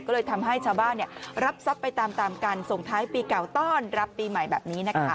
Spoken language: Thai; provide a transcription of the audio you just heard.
ก็เลยทำให้ชาวบ้านรับทรัพย์ไปตามกันส่งท้ายปีเก่าต้อนรับปีใหม่แบบนี้นะคะ